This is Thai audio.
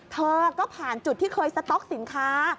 เธอก็ผ่านจุดที่เคยสต๊อกสินค้า